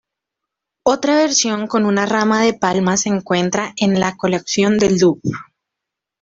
Otra versión con una rama de palma se encuentra en la colección del Louvre.